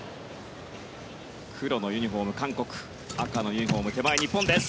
黒のユニホーム、韓国赤のユニホーム手前の日本です。